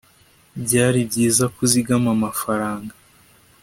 byari byiza ko uzigama amafaranga